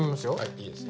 いいですよ。